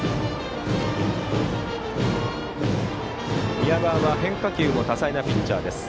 宮川は変化球も多彩なピッチャーです。